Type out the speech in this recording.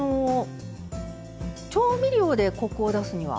調味料でコクを出すには？